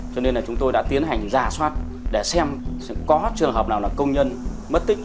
cho nên là chúng tôi đã tiến hành giả soát để xem có trường hợp nào là công nhân mất tích